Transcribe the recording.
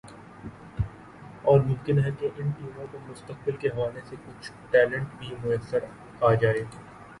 اور ممکن ہے کہ ان ٹیموں کو مستقبل کے حوالے سے کچھ ٹیلنٹ بھی میسر آجائے